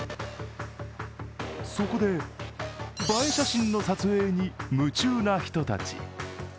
そこで映え写真の撮影に夢中な人たち。